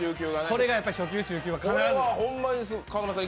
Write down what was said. これは初級、中級は必ず。